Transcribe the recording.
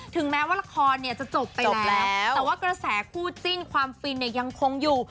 ถึงแม้ว่าระครจะจบแล้วแต่กระแสคู่จิ้นความฟินก็ยิ่งคงอยู่